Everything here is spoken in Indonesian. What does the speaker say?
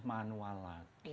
itu harus manual lagi